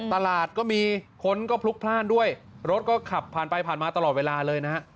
ตลาดก็มีคนก็พลุกพลาดด้วยรถก็ขับผ่านไปผ่านมาตลอดเวลาเลยนะฮะ